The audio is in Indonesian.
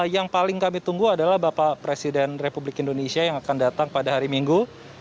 yang paling kami tunggu adalah bapak presiden republik indonesia yang akan datang pada hari minggu